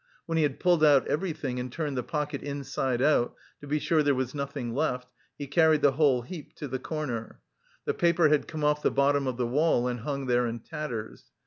When he had pulled out everything, and turned the pocket inside out to be sure there was nothing left, he carried the whole heap to the corner. The paper had come off the bottom of the wall and hung there in tatters.